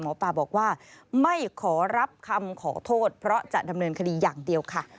หมอปลาบอกว่าไม่ขอรับคำขอโทษเพราะจะดำเนินคดีอย่างเดียวค่ะ